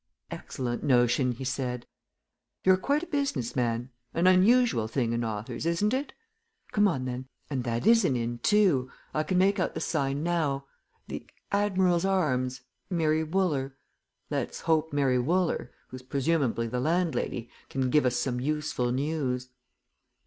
"Excellent notion!" he said. "You're quite a business man an unusual thing in authors, isn't it? Come on, then and that is an inn, too I can make out the sign now The 'Admiral's Arms' Mary Wooler. Let's hope Mary Wooler, who's presumably the landlady, can give us some useful news!"